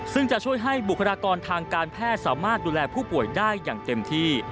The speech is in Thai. ซึ่งจะช่วยให้บุคลากรทางการแพทย์สามารถดูแลผู้ป่วยได้อย่างเต็มที่